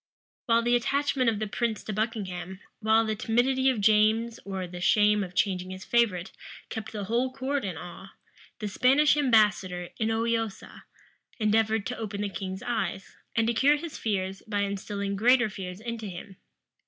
[] While the attachment of the prince to Buckingham, while the timidity of James or the shame of changing his favorite, kept the whole court in awe, the Spanish ambassador, Inoiosa, endeavored to open the king's eyes, and to cure his fears by instilling greater fears into him.